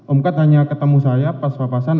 om kat hanya ketemu saya pas papasan